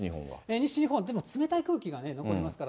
西日本は、でも冷たい空気が残りますから、